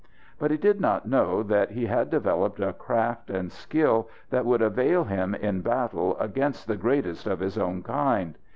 But he did not know that he had developed a craft and skill that would avail him in battle against the greatest of his own kind.